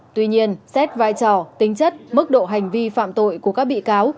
tuy nhiên xét vai trò tính chất mức độ hành vi phạm tội của các bị cáo